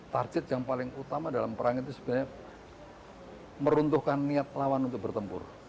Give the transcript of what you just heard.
target yang paling utama dalam perang itu sebenarnya meruntuhkan niat lawan untuk bertempur